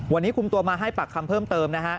วันนี้คุมตัวมาให้ปากคำเพิ่มเติมนะฮะ